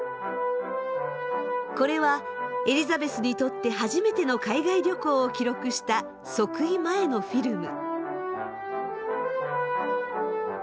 これはエリザベスにとって初めての海外旅行を記録した即位前のフィルム。